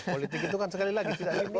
politik itu kan sekali lagi tidak ini